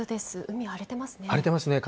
海、荒れてますね。